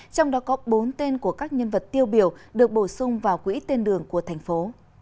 trong đó có bốn tên của các nhân vật tiêu biểu được bổ sung vào quỹ tên đường của thành phố